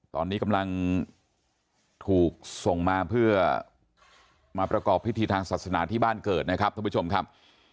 ตอนนี้กำลังถูกส่งมาเพื่อมาประกอบพิธีทางศาสนาที่บ้านเกิดนะครับท่านผู้ชมครับ